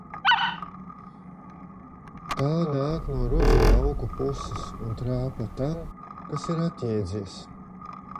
Tā nāk no rudzu lauku puses un trāpa tam, kas ir atjēdzies.